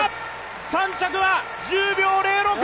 ３着は１０秒０６！